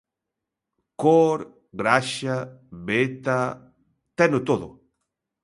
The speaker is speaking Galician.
Cor, graxa, veta... teno todo.